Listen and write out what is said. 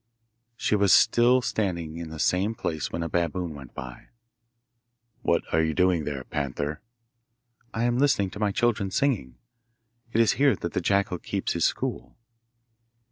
She was still standing in the same place when a baboon went by. 'What are you doing there, panther?' 'I am listening to my children singing. It is here that the jackal keeps his school.